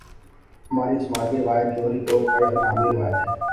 ہماری سماجی روایت جوہری طور پر الہامی روایت ہے۔